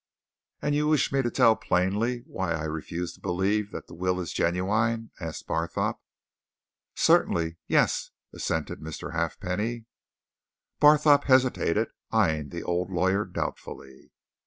"And you wish me to tell, plainly, why I refuse to believe that the will is genuine?" asked Barthorpe. "Certainly yes," assented Mr. Halfpenny. Barthorpe hesitated, eyeing the old lawyer doubtfully.